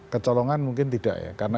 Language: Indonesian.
kecolongan mungkin tidak ya karena